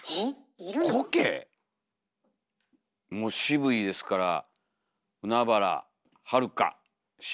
渋いですから海原はるか師匠。